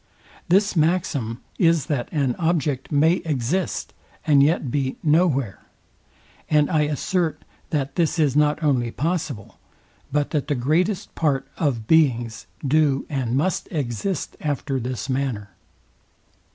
This maxim is that an object may exist, and yet be no where: and I assert, that this is not only possible, but that the greatest part of beings do and must exist after this manner.